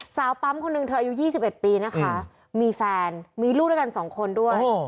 สาวปั๊มคนหนึ่งเธออายุ๒๑ปีนะคะมีแฟนมีลูกด้วยกัน๒คนด้วย